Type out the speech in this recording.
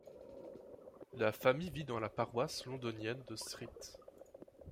La famille vit dans la paroisse londonienne de St.